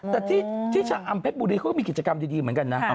แต่ที่ชะอำเพชรบุรีเขาก็มีกิจกรรมดีเหมือนกันนะ